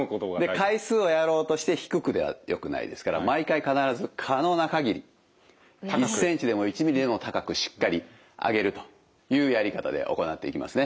で回数をやろうとして低くではよくないですから毎回必ず可能な限り１センチでも１ミリでも高くしっかり上げるというやり方で行っていきますね。